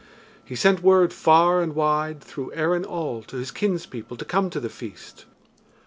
He sent word far and wide through Erin all to his kinspeople to come to the feast.